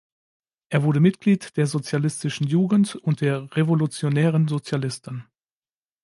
Er wurde Mitglied der Sozialistischen Jugend und der „Revolutionären Sozialisten“.